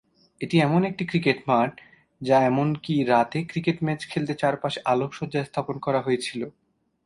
এটি এমন একটি ক্রিকেট মাঠ যা এমনকি রাতে ক্রিকেট ম্যাচ খেলতে চারপাশে আলোকসজ্জা স্থাপন করা হয়েছিল।